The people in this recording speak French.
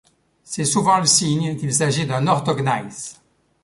C'est souvent le signe qu'il s'agit d'un orthogneiss.